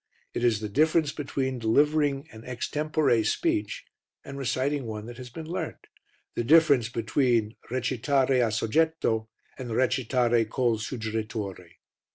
It is the difference between delivering an extempore speech and reciting one that has been learnt the difference between "recitare a soggetto" and "recitare col suggeritore."